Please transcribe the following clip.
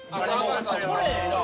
これええな！